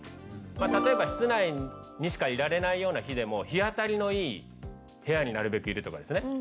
例えば室内にしか居られないような日でも日当たりのいい部屋になるべく居るとかですね。